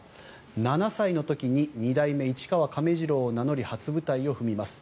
７歳の時に二代目市川亀治郎を名乗り初舞台を踏みます。